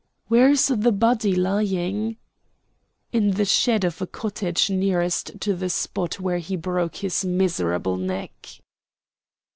"Where is the body lying?" "In the shed of a cottage nearest to the spot where he broke his miserable neck."